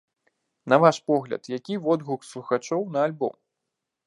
На ваш погляд, які водгук слухачоў на альбом?